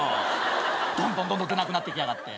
どんどんどんどん出なくなっていきやがって。